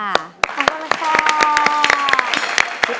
ขอบคุณค่ะ